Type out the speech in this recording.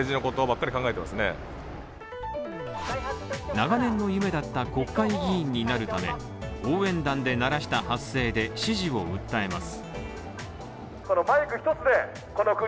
長年の夢だった国会議員になるため応援団でならした発声で支持を訴えます。